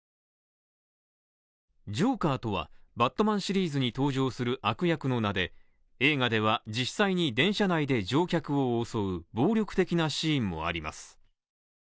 ジョーカーとは、バットマンシリーズに登場する悪役の名で、映画では実際に電車内で乗客を襲う暴力的なシーンもあります。